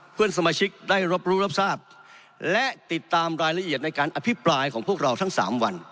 เพื่อนสมาชิกได้รับรู้รับทราบและติดตามรายละเอียดในการอภิปรายของพวกเราทั้งสามวัน